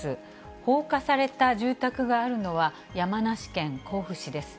放火された住宅があるのは、山梨県甲府市です。